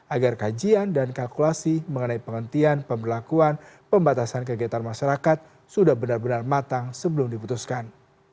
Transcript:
agar kajian dan kalkulasi mengenai penghentian pembelakuan pembatasan kegiatan masyarakat sudah benar benar matang sebelum diputuskan